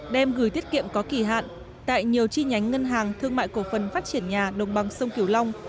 đem gửi tiết kiệm có kỷ hạn tại nhiều chi nhánh ngân hàng thương mại cổ phần phát triển nhà đồng bằng sông kiều long